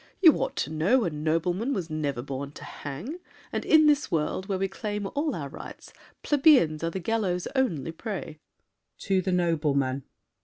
You ought to know A nobleman was never born to hang, And in this world, where we claim all our rights, Plebeians are the gallows' only prey. [To the noblemen.